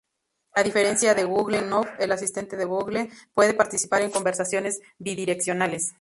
A diferencia de Google Now, el Asistente de Google puede participar en conversaciones bidireccionales.